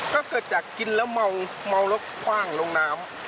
ก็เกิดจากกินแล้วเมาแล้วคว่างลงน้ำ